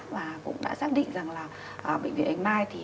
và cũng đã xác định rằng là bệnh viện bạch mai